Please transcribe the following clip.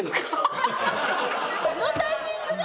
このタイミングで！？